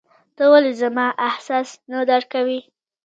ته ولي زما احساس نه درکوې !